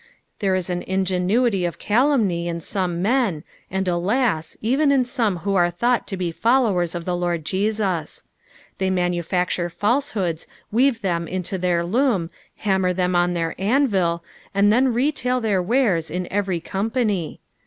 There is an ingenuity of calumny in some men, and, alas I even iu some who are thought to be followers of the Lord Jesus. The; manufsciure falsehoods, weave them in their loom, hammer them on their anvil, and then retail their wares in evi r; company.